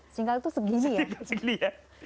sejengkal itu segini ya